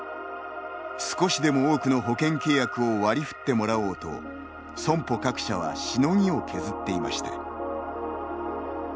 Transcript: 少しでも多くの保険契約を割り振ってもらおうと損保各社はしのぎを削っていました。